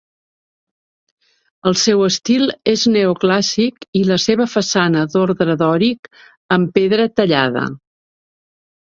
El seu estil és neoclàssic i la seva façana d'ordre dòric, en pedra tallada.